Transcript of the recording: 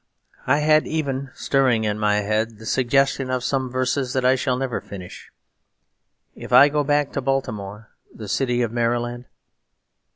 I had even stirring in my head the suggestion of some verses that I shall never finish If I ever go back to Baltimore The city of Maryland.